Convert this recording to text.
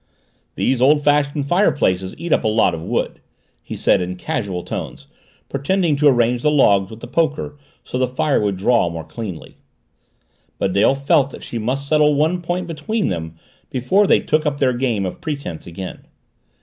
"These old fashioned fireplaces eat up a lot of wood," he said in casual tones, pretending to arrange the logs with the poker so the fire would draw more cleanly. But Dale felt that she must settle one point between them before they took up their game of pretense again.